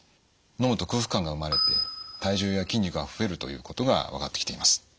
のむと空腹感が生まれて体重や筋肉が増えるということが分かってきています。